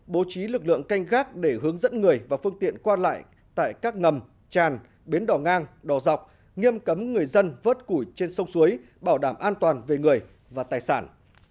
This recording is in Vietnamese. bố trí lực lượng canh gác để hướng dẫn người và phương tiện qua lại tại các ngầm tràn bến đỏ ngang đỏ dọc nghiêm cấm người dân vớt củi trên sông suối bảo đảm an toàn về người và tài sản